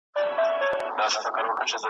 ورزش انسان خوشاله ساتي.